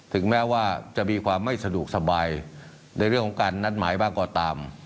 ถึงแม้ว่าจะมีความไม่สะดวกสบายในเรื่องของการนัดหมายบ้างก็ตาม